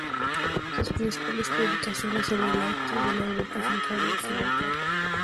Sus principales publicaciones sobre el arte de la Europa central y oriental.